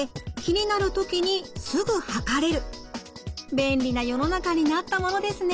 便利な世の中になったものですね！